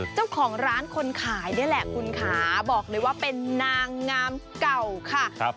เจ้าของร้านคนขายนี่แหละคุณค่ะบอกเลยว่าเป็นนางงามเก่าค่ะ